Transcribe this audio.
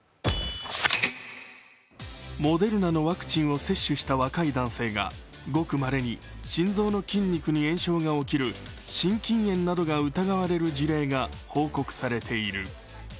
モデルナのワクチンを接種した若い男性がごくまれに心臓の筋肉の炎症が起きる心筋炎が疑われる事例が報告されている。